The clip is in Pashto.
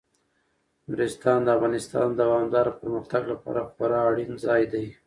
نورستان د افغانستان د دوامداره پرمختګ لپاره خورا اړین ځای دی.